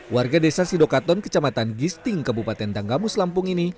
warga desa sidokaton kecamatan gisting kabupaten tanggamus lampung ini